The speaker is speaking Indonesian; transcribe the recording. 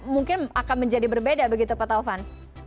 mungkin akan menjadi berbeda begitu pak taufan